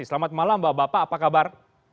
selamat malam bapak bapak apa kabar